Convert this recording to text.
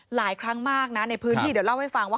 หลายครั้งมากนะในพื้นที่เดี๋ยวเล่าให้ฟังว่า